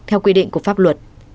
theo quy định của pháp luật